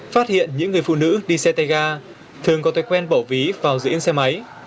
phát hiện những người phụ nữ đi xe tay ga thường có thói quen bỏ ví vào giữa yên xe máy